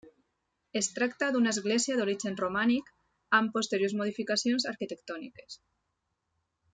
Es tracta d'una església d'origen romànic amb posteriors modificacions arquitectòniques.